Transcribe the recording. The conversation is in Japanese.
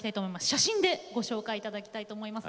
写真でご紹介頂きたいと思います。